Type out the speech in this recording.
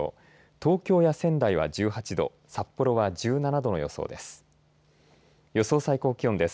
東京や仙台は１８度札幌は１７度の予想です。